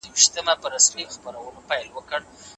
موږ ساعت ته نه ګورو.